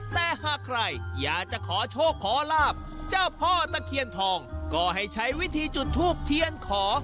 แต่หากใครอยากจะขอโชคขอลาบเจ้าพ่อตะเคียนทองก็ให้ใช้วิธีจุดทูบเทียนขอ